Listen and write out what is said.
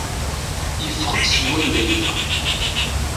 Yeffeɣ-d seg wanda yella.